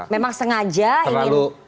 memang sengaja ingin